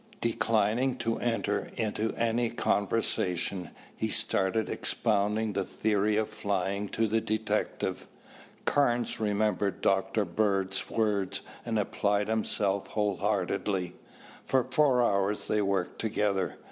Declining to enter into any conversation, he started expounding the theory of flying to the detective. Carnes remembered Dr. Bird's words and applied himself wholeheartedly. For four hours they worked together.